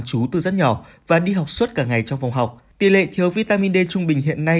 chú từ rất nhỏ và đi học suốt cả ngày trong phòng học tỷ lệ thiếu vitamin d trung bình hiện nay